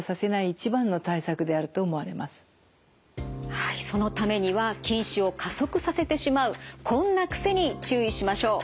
はいそのためには近視を加速させてしまうこんな癖に注意しましょう。